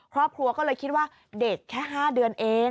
ครอบครัวก็เลยคิดว่าเด็กแค่๕เดือนเอง